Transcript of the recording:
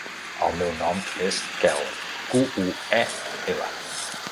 El meu nom és Quel: cu, u, e, ela.